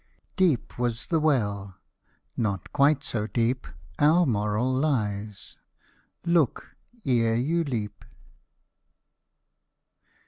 Deep was the well, not quite so deep Our moral lies, " look ere you leap."